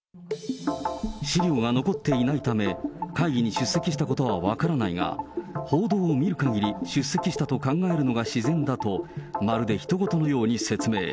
資料が残っていないため、会議に出席したことは分からないが、報道を見るかぎり出席したと考えるのが自然だと、まるでひと事のように説明。